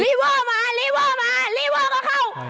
ลิเวอร์มาก็เข้า